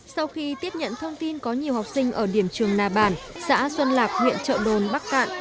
sau khi tiếp nhận thông tin có nhiều học sinh ở điểm trường nà bản xã xuân lạc huyện trợ đồn bắc cạn